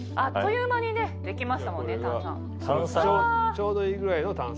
ちょうどいいぐらいの炭酸。